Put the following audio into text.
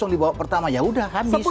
empat dibawa pertama yaudah habis